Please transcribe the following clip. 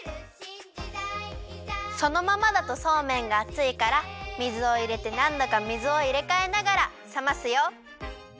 そのままだとそうめんがあついから水をいれてなんどか水をいれかえながらさますよ。